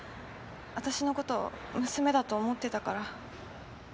私のこと娘だと思ってたから。